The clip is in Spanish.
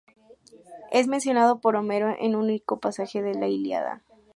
Es mencionado por Homero en un único pasaje de la Ilíada.